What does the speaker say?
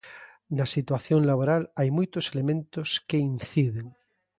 Na situación laboral hai moitos elementos que inciden.